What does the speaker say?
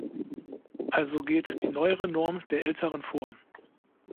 Also geht die neuere Norm der älteren vor.